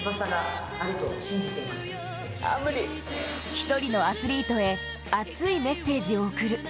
１人のアスリートへ熱いメッセージを送る。